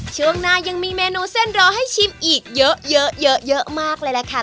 ช่วงหน้ายังมีเมนูเส้นรอให้ชิมอีกเยอะเยอะมากเลยล่ะค่ะ